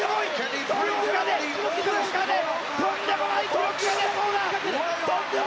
福岡でとんでもない記録が出そうだ！